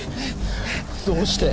どうして？